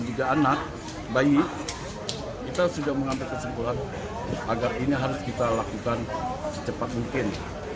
juga anak bayi kita sudah mengambil kesimpulan agar ini harus kita lakukan secepat mungkin